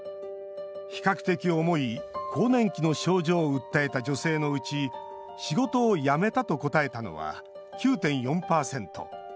比較的重い更年期の症状を訴えた女性のうち「仕事を辞めた」と答えたのは９．４％。